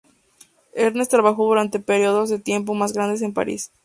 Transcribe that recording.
Ernest trabajó durante periodos de tiempo más grandes en París.